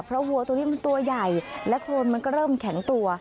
เพราะวัวตัวนี้มันตัวใหญ่และโคนมันก็เริ่มแข็งตัว